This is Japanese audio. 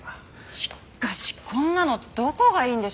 しかしこんなのどこがいいんでしょうね。